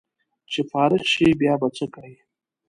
چې فارغ شې بیا به څه کړې